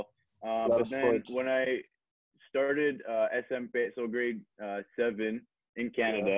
tapi kemudian ketika saya mulai smp jadi grade tujuh di canada